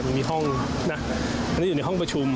มีห้องนะอันนี้อยู่ในห้องประชุม